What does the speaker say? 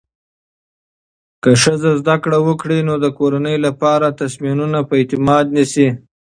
که ښځه زده کړه وکړي، نو د کورنۍ لپاره تصمیمونه په اعتماد نیسي.